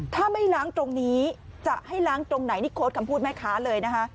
ถ้าไม่ล้างตรงนี้จะให้ล้างตรงไหนนี่โค้ดคำพูดแม่ค้าเลยนะคะ